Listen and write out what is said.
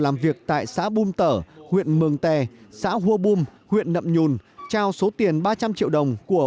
làm việc tại xã bùm tở huyện mường tè xã hua bum huyện nậm nhùn trao số tiền ba trăm linh triệu đồng của